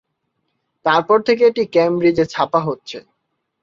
তার পর থেকে এটি কেমব্রিজে ছাপা হচ্ছে।